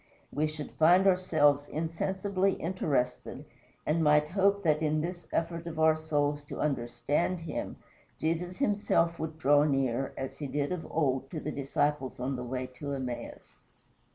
we should find ourselves insensibly interested, and might hope that in this effort of our souls to understand him, Jesus himself would draw near, as he did of old to the disciples on the way to Emmaus.